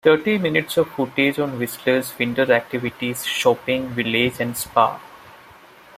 Thirty minutes of footage on Whistler's winter activities, shopping, Village and spa.